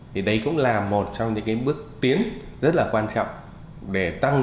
thì đấy cũng là một trong những bước tiến rất là quan trọng